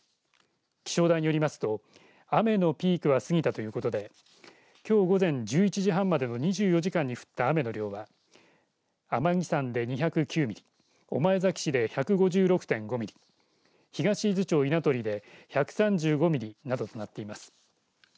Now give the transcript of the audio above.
気象台によりますと雨のピークは過ぎたということできょう午前１１時半までの２４時間に降った雨の量は天城山で２０９ミリ御前崎市で１５６．５ミリ東伊豆町稲取で１３５ミリなどとなっています。